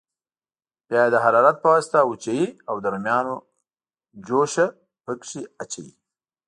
بیا یې د حرارت په واسطه وچوي او د رومیانو جوشه پکې اچوي.